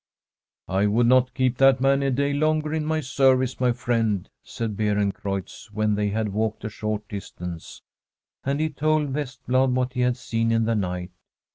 ' I would not keep that man a day longer in my service, my friend,' said Beerencreutz, when they had walked a short distance. And he told Vest blad what he had seen in the night.